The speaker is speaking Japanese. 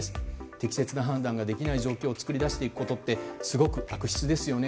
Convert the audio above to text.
適切な判断ができない状況を作り出していくことってすごく悪質ですよね。